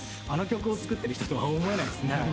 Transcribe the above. あの曲を作ってる人とは思えないですね。